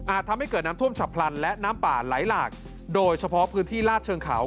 ทำให้เกิดน้ำท่วมฉับพลันและน้ำป่าไหลหลากโดยเฉพาะพื้นที่ลาดเชิงเขา